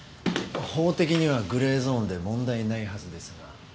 法的にはグレーゾーンで問題ないはずですが。